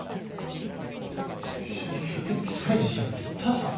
一緒に吸血鬼退治しようって言ったじゃん。